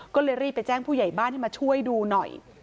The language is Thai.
ก็เลยรีบไปแจ้งผู้ใหญ่บ้านให้มาช่วยดูหน่อย